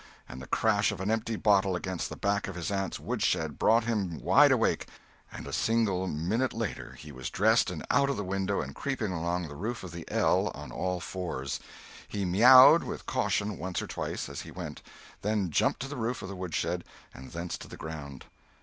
and the crash of an empty bottle against the back of his aunt's woodshed brought him wide awake, and a single minute later he was dressed and out of the window and creeping along the roof of the "ell" on all fours. He "meow'd" with caution once or twice, as he went; then jumped to the roof of the woodshed and thence to the ground.